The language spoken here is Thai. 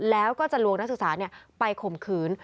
แล้วก็จะลวงนักศึกษาไปข่มขืน